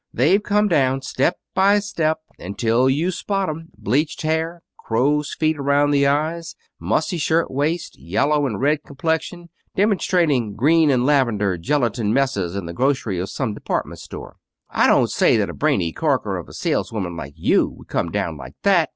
They've come down step by step until you spot 'em, bleached hair, crow's feet around the eyes, mussy shirt waist, yellow and red complexion, demonstrating green and lavender gelatine messes in the grocery of some department store. I don't say that a brainy corker of a saleswoman like you would come down like that.